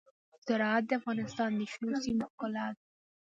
زراعت د افغانستان د شنو سیمو ښکلا ده.